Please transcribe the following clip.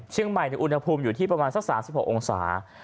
ในอุณหภูมิอยู่ที่ประมาณสัก๓๖องศา